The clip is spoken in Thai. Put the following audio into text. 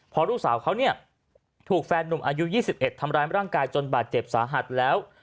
พอลูกสาวเขาเนี่ยถูกแฟนหนุ่มอายุ๒๑ทำร้ายร่างกายจนบาดเจ็บสาหัสแล้ว